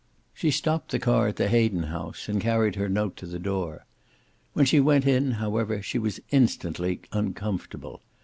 She stopped the car at the Hayden house, and carried her note to the door. When she went in, however, she was instantly uncomfortable.